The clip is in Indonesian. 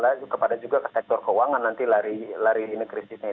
ya balas sampai kepada juga sektor keuangan nanti lari krisisnya